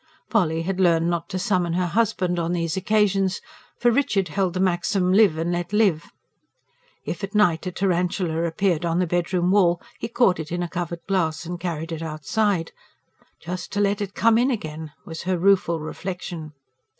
Polly had learnt not to summon her husband on these occasions; for Richard held to the maxim: "Live and let live." If at night a tarantula appeared on the bedroom wall, he caught it in a covered glass and carried it outside: "Just to come in again," was her rueful reflection.